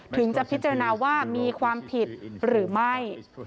ถึงจะพิจารณาว่ามีความผิดหรือไม่